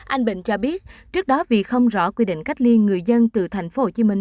anh bình cho biết trước đó vì không rõ quy định cách ly người dân từ thành phố hồ chí minh